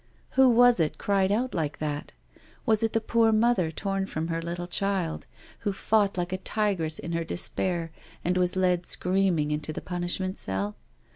Who was it cried out like that? — ^was it the poor mother torn from her little child, who fought like a tigress in her despair and was led screaming into the punishment cell?